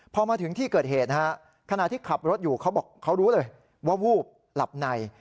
พอมาถึงที่เกิดเหตุนะฮะขณะที่ขับรถอยู่เขาบอกเขารู้เลยว่าวูบหลับใน